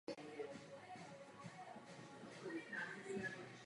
Postupně docházelo k fragmentaci stranického spektra u všech národností Předlitavska.